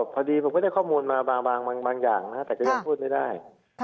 พอดีผมก็ได้ข้อมูลมาบางอย่างแต่ก็ยังพูดไม่ได้